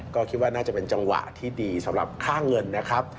ก็คิดว่าน่าจะเป็นจังหวะที่ดีสำหรับค่าเงินนะครับ